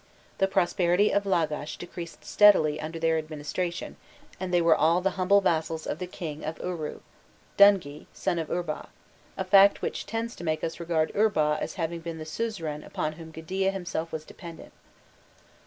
The prosperity of Lagash decreased steadily under their administration, and they were all the humble vassals of the King of Uru, Dungi, son of Urbau; a fact which tends to make us regard Urbau as having been the suzerain upon whom Gudea himself was dependent.